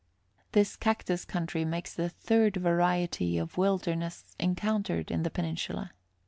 This cactus country makes the third variety of wilderness encountered in the peninsula.